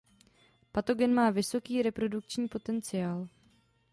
Patogen má vysoký reprodukční potenciál.